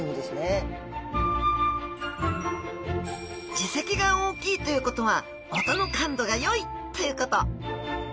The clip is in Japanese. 耳石が大きいということは音の感度が良いということ